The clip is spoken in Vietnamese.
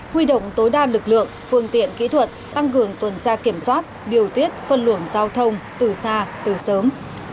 huy động tối đa lực lượng phương tiện kỹ thuật tăng cường tuần tra kiểm soát điều tiết phân luồng giao thông từ xa từ sớm